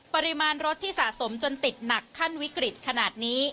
ปริมาณรถที่สะสมจนติดหนักขั้นวิกฤตขนาดนี้